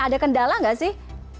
ada kendala nggak sih